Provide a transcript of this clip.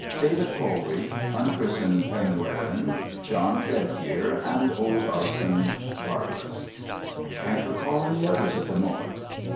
David Polreath, Unchris'en Penrewen, John Trcdgear, and old Arson Parvis.' ' I cannot recall any others at the moment.'